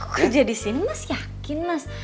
kerja di sini mas yakin mas